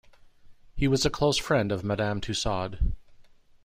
He was a close friend of Madame Tussaud.